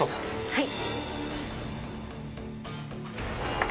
はい。